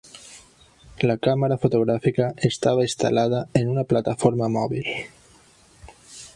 La càmera fotogràfica estava instal·lada en una plataforma mòbil.